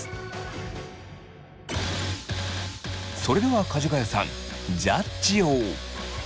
それではかじがやさんジャッジを！